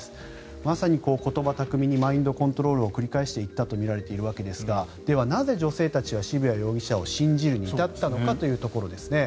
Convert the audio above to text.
まさに言葉巧みにマインドコントロールを繰り返していったとみられているわけですがでは、なぜ女性たちは渋谷容疑者を信じるに至ったのかというところですね。